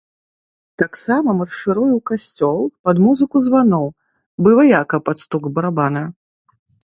Таксама маршыруе ў касцёл пад музыку званоў, бы ваяка пад стук барабана.